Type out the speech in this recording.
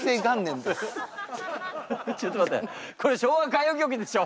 ちょっと待ってこれ「昭和歌謡曲」でしょ。